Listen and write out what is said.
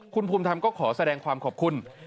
คุณภูมิธรรมก็ขอแสดงความขอบคุณ